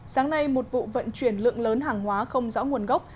sáng nay một vụ vận chuyển lượng lớn hàng hóa không rõ nguồn gốc